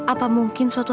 apa mungkin suatu